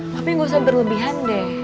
tapi nggak usah berlebihan deh